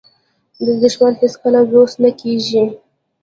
دښمن هیڅکله دوست نه کېږي